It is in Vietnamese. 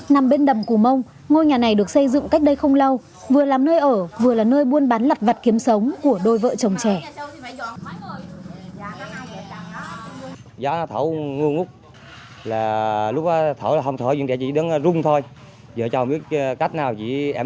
nằm bên đầm cù mông ngôi nhà này được xây dựng cách đây không lâu vừa làm nơi ở vừa là nơi buôn bán lật vật kiếm sống của đôi vợ chồng trẻ